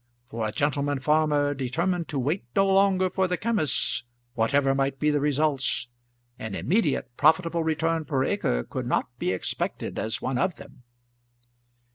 For a gentleman farmer determined to wait no longer for the chemists, whatever might be the results, an immediate profitable return per acre could not be expected as one of them.